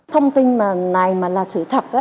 thông tin này mà là sự thật